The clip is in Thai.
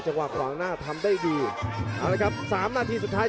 จังหวะขวางหน้าทำได้ดีเอาละครับสามนาทีสุดท้าย